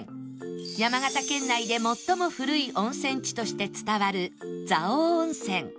山形県内で最も古い温泉地として伝わる蔵王温泉